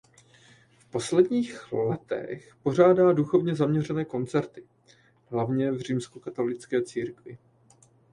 V posledních letech pořádá duchovně zaměřené koncerty hlavně v Římskokatolické církvi.